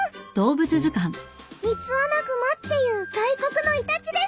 ミツアナグマっていう外国のイタチです。